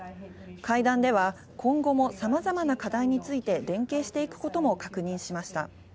会談では、今後もさまざまな課題について連携していくことも確認しました。